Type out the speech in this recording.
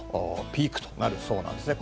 ピークとなるそうなんですね。